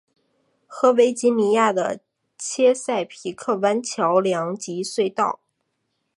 和维吉尼亚的切塞皮克湾桥梁及隧道。